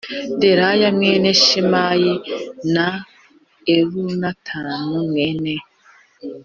Delaya mwene Shemaya na Elunatani mwene